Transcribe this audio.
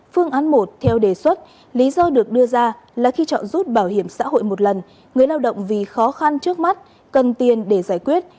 phương án một theo đề xuất lý do được đưa ra là khi chọn rút bảo hiểm xã hội một lần người lao động vì khó khăn trước mắt cần tiền để giải quyết